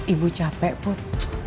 ibu capek put